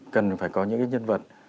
cần phải có những cái nhân vật